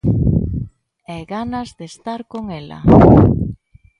E ganas de estar con ela.